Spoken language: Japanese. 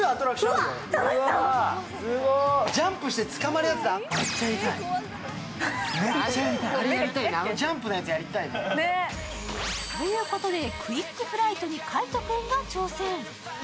あのジャンプのやつ、やりたいな。ということで、クイックフライトに海音君が挑戦。